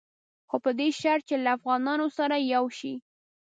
خو په دې شرط چې له افغانانو سره یو شي.